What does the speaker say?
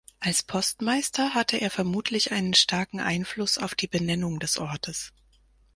Als Postmeister hatte er vermutlich einen starken Einfluss auf die Benennung des Ortes.